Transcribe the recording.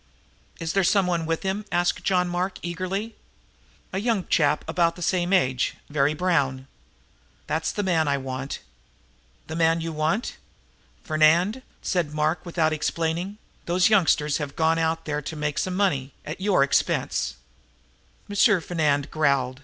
"Is there someone with him?" asked John Mark eagerly. "A young chap about the same age very brown." "That's the man I want!" "The man you want?" "Fernand," said Mark, without explaining, "those youngsters have gone out there to make some money at your expense." M. Fernand growled.